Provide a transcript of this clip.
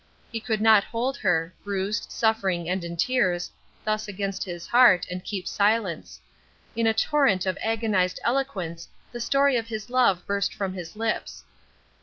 He could not hold her bruised, suffering, and in tears thus against his heart, and keep silence. In a torrent of agonized eloquence the story of his love burst from his lips.